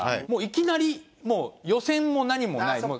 もういきなりもう予選も何もない。